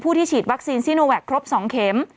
ที่ฉีดวัคซีนซีโนแวคครบ๒เข็ม